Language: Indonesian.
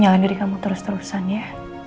jalan diri kamu terus terusan ya